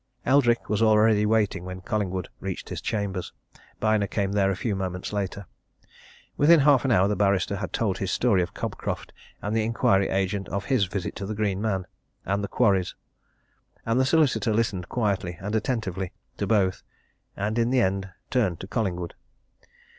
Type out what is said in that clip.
Eldrick was already waiting when Collingwood reached his chambers: Byner came there a few moments later. Within half an hour the barrister had told his story of Cobcroft, and the inquiry agent his of his visit to the Green Man and the quarries. And the solicitor listened quietly and attentively to both, and in the end turned to Collingwood.